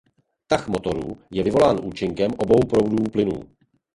Tah motoru je vyvolán účinkem obou proudů plynů.